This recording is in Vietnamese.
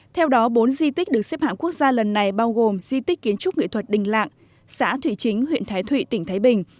theo đó bốn di tích được xếp hạng quốc gia lần này bao gồm di tích kiến trúc nghệ thuật đình lạng xã thủy chính huyện thái thụy tỉnh thái bình